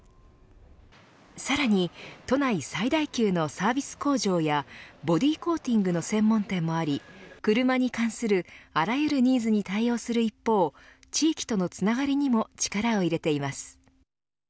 さらに都内最大級のサービス工場やボディコーティングの専門店もあり車に関するあらゆるニーズに対応する一方地域とのつながりにも力を入れています。